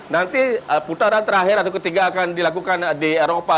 nanti putaran terakhir atau ketiga akan dilakukan di eropa